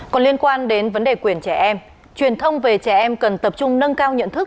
còn liên quan đến vấn đề quyền trẻ em truyền thông về trẻ em cần tập trung nâng cao nhận thức